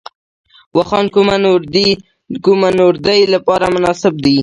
واخان د کوه نوردۍ لپاره مناسب دی